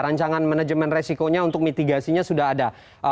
rancangan manajemen resikonya untuk mitigasinya sudah ada